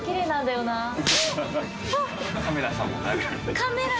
カメラさん。